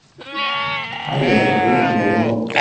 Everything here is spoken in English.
I don't drink no more.